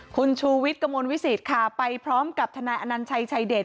คุณชูวิทย์กระมวลวิสิตค่ะไปพร้อมกับทนายอนัญชัยชายเดช